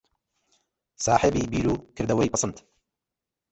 ساحێبی بیر و کردەوەی پەسەند